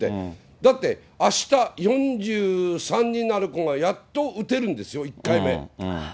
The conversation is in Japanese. だってあした４３になる子がやっと打てるんですよ、１回目。